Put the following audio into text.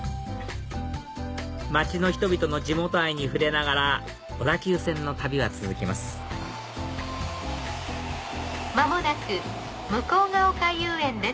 街の人々の地元愛に触れながら小田急線の旅は続きます間もなく向ヶ丘遊園です。